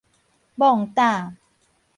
懵膽